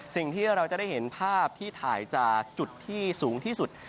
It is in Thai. สิ่งที่เราจะได้เห็นภาพที่ถ่ายจากจุดที่สูงที่สุด